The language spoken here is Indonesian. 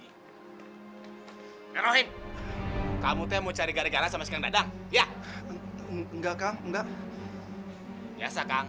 ia beropi kamutenya mau cari gari garis pride anda rashidug engak enggak nhiasa